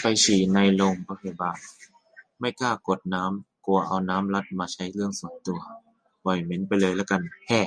ไปฉี่ในโรงพยาบาล ไม่กล้ากดน้ำ กลัวเอาน้ำรัฐมาใช้เรื่องส่วนตัว ปล่อยเหม็นไปละกัน แฮ่